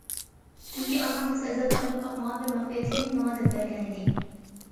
چۈنكى ئانام بىز ئەزەلدىن ئويلاپ باقمىغان بىر مەخپىيەتلىكنى ماڭا دەپ بەرگەنىدى.